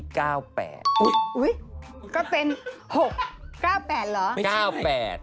อุ๊ยก็เป็น๖๙๘เหรอ